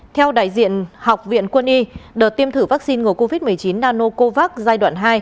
theo đại diện học viện quân y đợt tiêm thử vaccine ngừa covid một mươi chín nanocovax giai đoạn hai